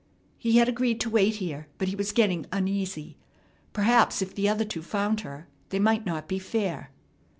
He had agreed to wait here, but he was getting uneasy. Perhaps, if the other two found her, they might not be fair.